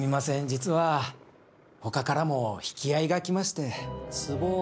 実はほかからも引き合いが来まして。